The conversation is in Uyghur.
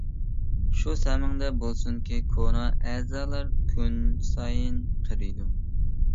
شۇ سەمىڭدە بولسۇنكى كونا ئەزالار كۈنسايىن قېرىيدۇ.